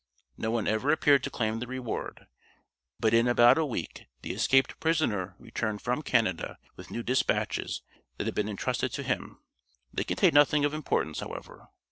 No one ever appeared to claim the reward, but in about a week the escaped prisoner returned from Canada with new dispatches that had been entrusted to him. They contained nothing of importance, however.